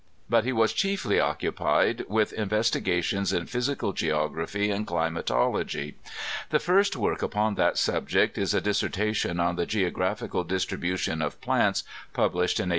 But he was chiefly occupied with investigations in physical geography and climatology. The first work upon that subject is a dissertation on the geographical distribution of plants, published in 1817.